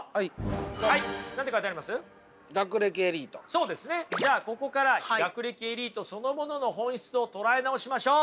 そうですねじゃあここから学歴エリートそのものの本質を捉え直しましょう！